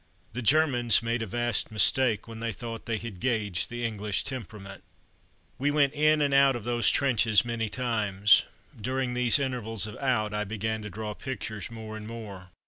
The Germans made a vast mistake when they thought they had gauged the English temperament. We went "in" and "out" of those trenches many times. During these intervals of "out" I began to draw pictures more and more.